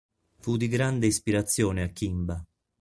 Fu di grande ispirazione a Kimba.